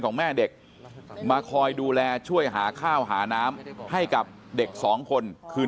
ของแม่เด็กมาคอยดูแลช่วยหาข้าวหาน้ำให้กับเด็กสองคนคือ